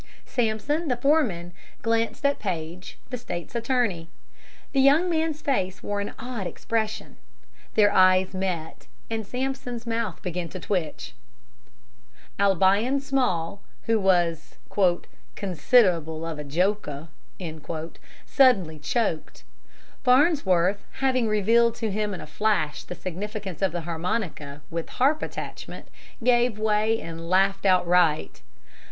Sampson, the foreman, glanced at Paige, the state's attorney. The young man's face wore an odd expression. Their eyes met, and Sampson's mouth began to twitch. Albion Small, who was "consid'able of a joker," suddenly choked. Farnsworth, having revealed to him in a flash the significance of the harmonica "with harp attachment," gave way and laughed outright.